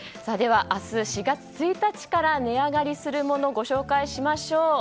では、明日４月１日から値上がりするものをご紹介しましょう。